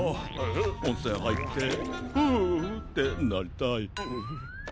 おんせんはいってフってなりたい。